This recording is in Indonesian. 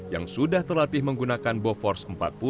yang sudah terlatih menggunakan boforce empat puluh